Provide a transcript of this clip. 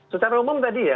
secara umum tadi ya